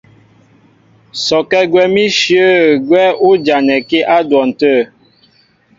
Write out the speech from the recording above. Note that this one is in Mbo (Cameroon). Sɔkɛ́ gwɛ̌n íshyə̂ gwɛ́ ú janɛkí á dwɔn tə̂.